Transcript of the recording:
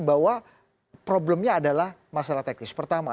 bahwa problemnya adalah masalah teknis pertama